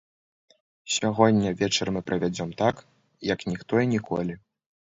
Сягоння вечар мы правядзём так, як ніхто і ніколі.